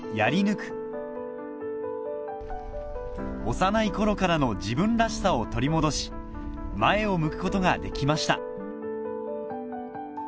幼い頃からの自分らしさを取り戻し前を向くことができました